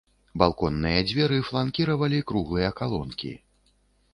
Балконныя дзверы фланкіравалі круглыя калонкі.